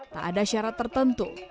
tak ada syarat tertentu